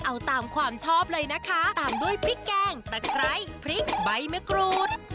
เอาตามความชอบเลยนะคะตามด้วยพริกแกงตะไคร้พริกใบมะกรูด